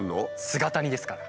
姿煮ですから。